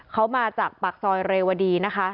เขามาจากปากซอยเรวดีนะคะ